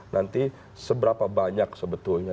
nanti seberapa banyak sebetulnya